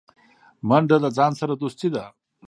منډه د ځان سره دوستي ده